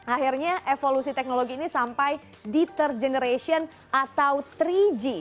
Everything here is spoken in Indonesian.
akhirnya evolusi teknologi ini sampai deter generation atau tiga g